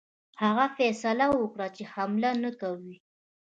هغه فیصله وکړه چې حمله نه کوي.